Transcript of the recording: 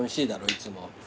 いつも。